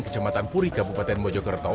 kecamatan puri kabupaten mojokerto